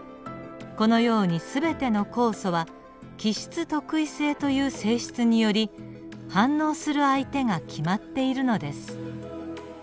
このように全ての酵素は基質特異性という性質により反応する相手が決まっているのです。